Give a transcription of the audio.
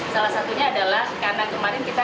salah satunya adalah karena kemarin kita